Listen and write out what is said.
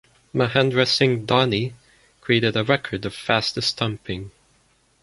Mahendra Singh Dhoni created a record of fastest stumping.